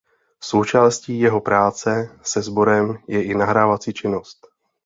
Součástí jeho práce se sborem je i nahrávací činnost.